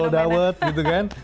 candle dawet gitu kan